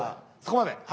そこまで？